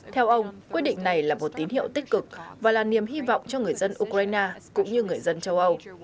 theo ông quyết định này là một tín hiệu tích cực và là niềm hy vọng cho người dân ukraine cũng như người dân châu âu